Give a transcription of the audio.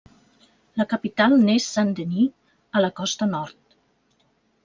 La capital n'és Saint-Denis, a la costa nord.